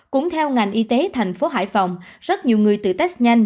cũng theo ngành y tế thành phố hải phòng rất nhiều người tự test nhanh